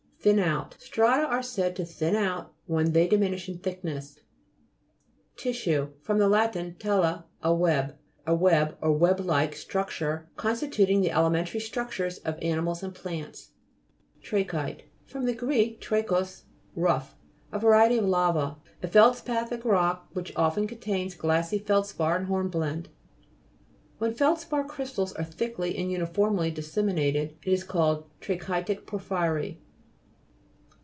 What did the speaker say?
. THIN OUT Strata are said to thin out when they diminish in thickness. TISSUE fr. lat. tela, a web. A web, or web like structure, constituting the elementary structures of ani mals and plants. TRA'CHYTE fr. gr. trachus, rough. A variety of lava. A feldspathic rock, which often contains glassy feldspar and hornblende. When the feldspar crystals are thickly and uniformly disseminated, it is called trachytic porphyry.